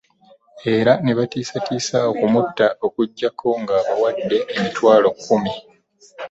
Era ne batiisatiisa okumutta okuggyako ng'abawadde emitwalo kkumi